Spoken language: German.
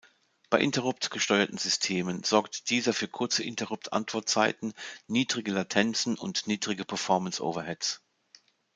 Bei Interrupt-gesteuerten Systemen sorgt dieser für kurze Interrupt-Antwortzeiten, niedrige Latenzen und niedrige Performance-Overheads.